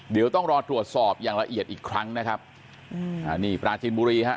เดี๋ยวต้องรอตรวจสอบอย่างละเอียดอีกครั้งนะครับอืมอ่านี่ปราจินบุรีฮะ